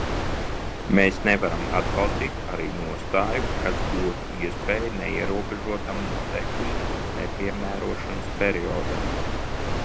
Mēs nevaram atbalstīt arī nostāju, kas dotu iespēju neierobežotam noteikumu nepiemērošanas periodam.